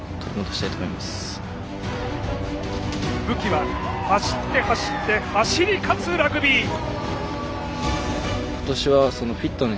武器は走って走って走り勝つラグビー。